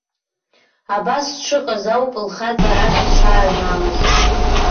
Абас дшыҟаз ауп лхаҵа арахь дшааҩналаз.